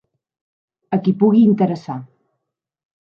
A qui pugui interessar.